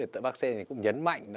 thì bác sĩ thành cũng nhấn mạnh